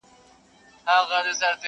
په یوه تعویذ مي سم درته پر لار کړ,